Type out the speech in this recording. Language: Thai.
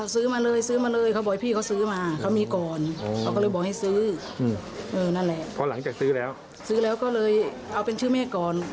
ซื้อแล้วก็เลยเอาเป็นชื่อแม่ก่อน